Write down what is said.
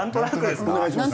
お願いします。